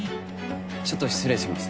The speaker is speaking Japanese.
ちょっと失礼します。